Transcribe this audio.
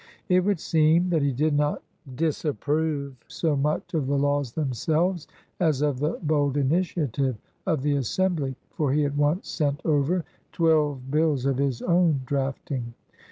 It would seem that he did not dis approve so much of the laws themselves as of the bold initiative of the Assembly, for he at once sent over twelve bills of his own drafting.